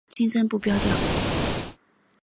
轻声不标调。